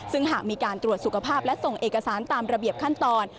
ซึ่งหากมีการตรวจสุขภาพและส่งเอกสารตามระเบียบขั้นตอน